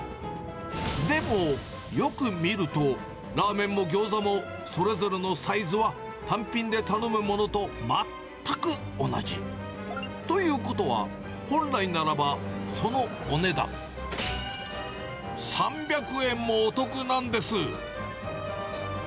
でも、よく見ると、ラーメンもギョーザも、それぞれのサイズは単品で頼むものと全く同じ。ということは、本来ならば、そのお値段３００円もお得なんです。